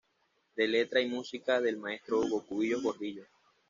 De letra y música del maestro Hugo Cubillos Gordillo.